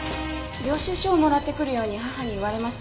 領収証をもらってくるように義母に言われました。